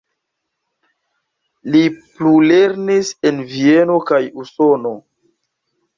Li plulernis en Vieno kaj Usono.